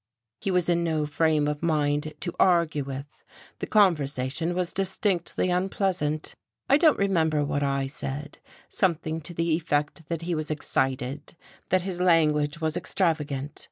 He was in no frame of mind to argue with; the conversation was distinctly unpleasant. I don't remember what I said something to the effect that he was excited, that his language was extravagant.